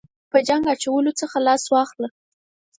په جنګ اچولو څخه لاس واخله.